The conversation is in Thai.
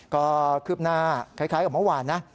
ก็คืบหน้าคล้ายกับเมื่อวานนะ